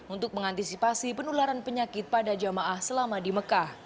untuk mengantisipasi penularan penyakit pada jamaah selama di mekah